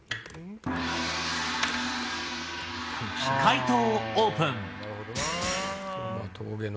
解答をオープン。